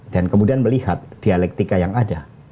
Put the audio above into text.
dan kemudian melihat dialektika yang ada